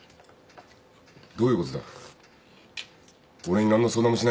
どういうことだ。